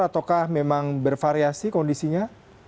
ataukah memang bervariasi kondisinya